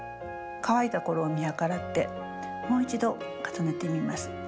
乾いた頃を見計らってもう一度重ねてみます。